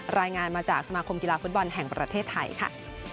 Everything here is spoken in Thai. รายงานมาจากสมาคมกีฬาฟุตบอลแห่งประเทศไทยค่ะ